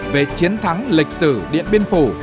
về chiến thắng lịch sử điện biên phủ